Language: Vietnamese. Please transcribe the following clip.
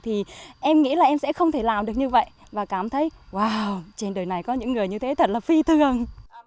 thì em nghĩ là em sẽ không thể làm được như vậy và cảm thấy trên đời này có những người như thế thật là phi thường